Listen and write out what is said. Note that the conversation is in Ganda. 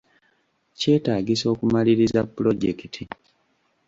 Kyetaagisa okumaliriza pulojekiti.